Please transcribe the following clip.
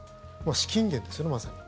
資金源ですよね、まさに。